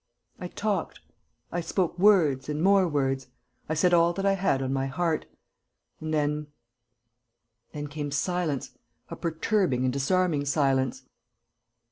I talked.... I spoke words and more words.... I said all that I had on my heart.... And then ... then came silence, a perturbing and disarming silence."